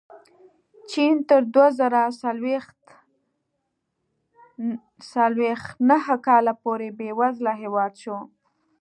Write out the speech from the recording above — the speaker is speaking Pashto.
چین تر دوه زره څلوېښت نهه کاله پورې بېوزله هېواد شو.